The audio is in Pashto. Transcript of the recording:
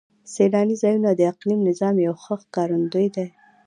سیلاني ځایونه د اقلیمي نظام یو ښه ښکارندوی دی.